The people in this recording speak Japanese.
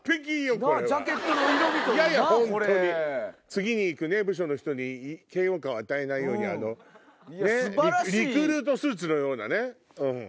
次に行く部署の人に嫌悪感を与えないようにリクルートスーツのようなね。